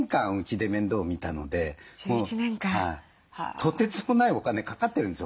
とてつもないお金かかってるんですよ